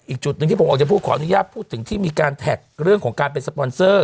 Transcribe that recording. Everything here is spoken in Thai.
อีกจุดหนึ่งที่ผมออกจะพูดขออนุญาตพูดถึงที่มีการแท็กเรื่องของการเป็นสปอนเซอร์